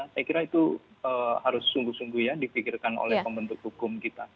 saya kira itu harus sungguh sungguh ya dipikirkan oleh pembentuk hukum kita